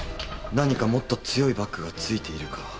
何かもっと強いバックがついているか。